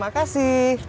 aduh bisa sis crush